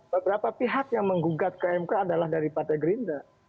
beberapa pihak yang menggugat ke mk adalah dari partai gerindra